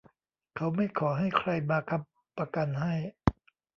เขาไม่ขอให้ใครมาค้ำประกันให้